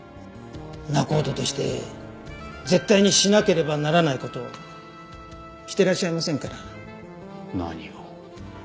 仲人として絶対にしなければならない事をしてらっしゃいませんから。何を？